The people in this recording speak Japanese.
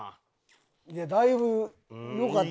いやだいぶ良かった。